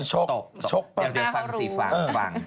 เหลือฟังสิฟัง